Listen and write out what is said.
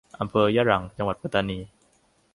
อำเภอยะรัง จังหวัดปัตตานี